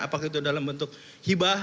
apakah itu dalam bentuk hibah